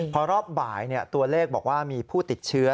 พอรอบบ่ายตัวเลขบอกว่ามีผู้ติดเชื้อ